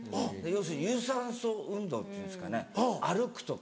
要するに有酸素運動っていうんですかね歩くとか。